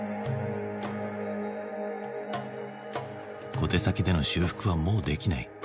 小手先での修復はもうできない。